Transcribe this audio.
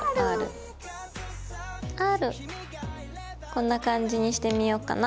こんな感じにしてみよっかな。